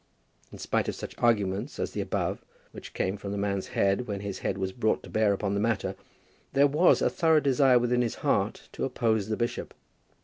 In spite of such arguments as the above, which came from the man's head when his head was brought to bear upon the matter, there was a thorough desire within his heart to oppose the bishop.